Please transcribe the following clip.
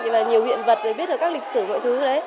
và nhiều hiện vật để biết được các lịch sử và mọi thứ